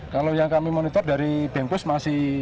kalau yang kami monitor dari bengkus masih